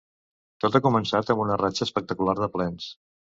Tot ha començat amb una ratxa espectacular de plens.